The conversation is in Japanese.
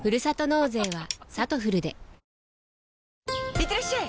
いってらっしゃい！